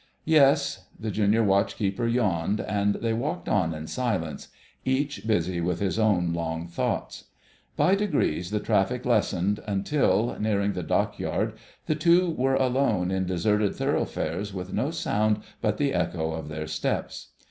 "Yes." The Junior Watch keeper yawned, and they walked on in silence, each busy with his own long thoughts. By degrees the traffic lessened, until, nearing the Dockyard, the two were alone in deserted thoroughfares with no sound but the echo of their steps.